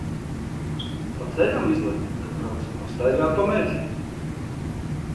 Pa ceļa izlemjam, ka brauksim pastaigāt pa mežu.